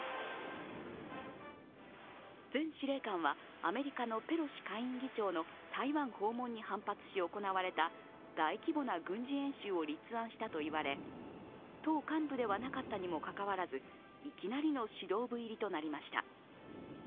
前司令官はアメリカのペロシ下院議長の台湾訪問に反発し、行われた大規模な軍事演習を立案したと言われ、党幹部ではなかったにもかかわらず、いきなりの指導部入りとなりました。